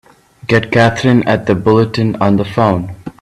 Get Katherine at the Bulletin on the phone!